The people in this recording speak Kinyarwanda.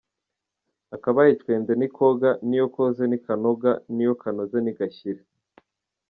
Akabaye icwende ntikoga, niyo koze ntikanoga, n’iyo kanoze ntigashyira.